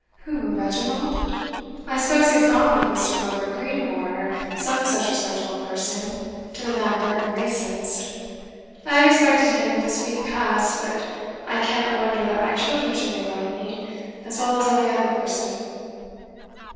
"Who, Reginald? I suppose he's gone with Mr. Gilbert Greenhorn, or some such respectable person, to the Lamberton races I have expected him this week past; but I cannot wonder that my children should neglect me as well as every other person.